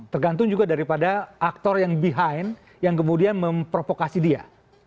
tergantung juga daripada aktor yang behind yang kemudian memprovokasi dia